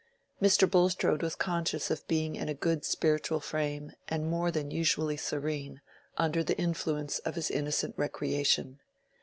Mr. Bulstrode was conscious of being in a good spiritual frame and more than usually serene, under the influence of his innocent recreation.